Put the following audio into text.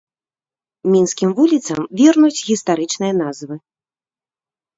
Мінскім вуліцам вернуць гістарычныя назвы.